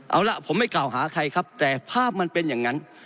เอาล่ะผมไม่กล่าวหาใครครับแต่ภาพมันเป็นอย่างนั้น